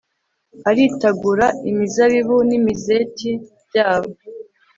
aritagura imizabibu n'imizeti byabo